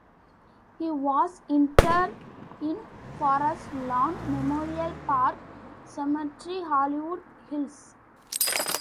He was interred in Forest Lawn Memorial Park Cemetery, Hollywood Hills.